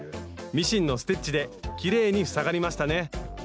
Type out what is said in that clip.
ミシンのステッチできれいに塞がりましたね。